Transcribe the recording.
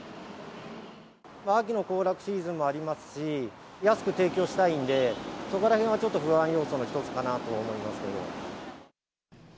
秋の行楽シーズンもありますし、安く提供したいんで、そこらへんはちょっと、不安要素の一つかなと思ってますけど。